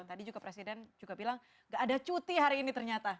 tadi juga presiden juga bilang gak ada cuti hari ini ternyata